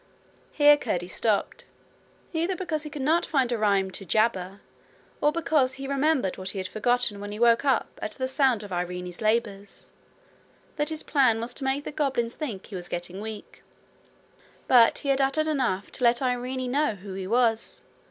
Here Curdie stopped, either because he could not find a rhyme to 'jabber', or because he remembered what he had forgotten when he woke up at the sound of Irene's labours, that his plan was to make the goblins think he was getting weak. But he had uttered enough to let Irene know who he was.